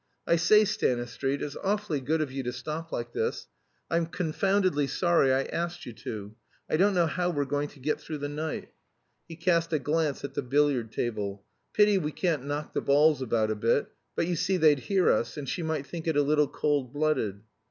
"I say, Stanistreet, it's awfully good of you to stop like this. I'm confoundedly sorry I asked you to. I don't know how we're going to get through the night." He cast a glance at the billiard table. "Pity we can't knock the balls about a bit but you see they'd hear us, and she might think it a little cold blooded."